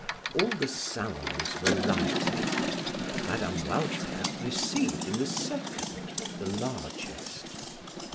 All the salons were lighted. Mme. Walter received in the second, the largest.